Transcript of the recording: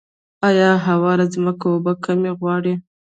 آیا هواره ځمکه اوبه کمې غواړي؟